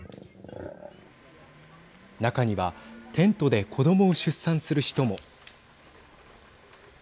中にはテントで子どもを出産する人も。